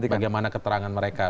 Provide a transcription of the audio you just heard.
bagaimana keterangan mereka